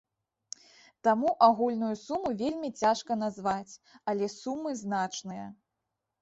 Таму агульную суму вельмі цяжка назваць, але сумы значныя.